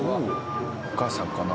お母さんかな？